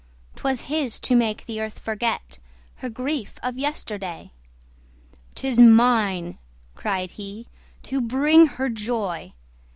'Twas his to make the Earth forget Her grief of yesterday. "'Tis mine," cried he, "to bring her joy!"